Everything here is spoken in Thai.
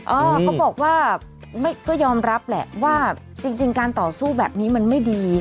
เขาบอกว่าก็ยอมรับแหละว่าจริงการต่อสู้แบบนี้มันไม่ดี